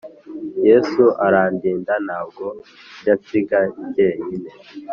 Yesu arandinda Ntabwo ajy’ ansiga jyenyine.